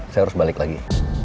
saya harus balik lagi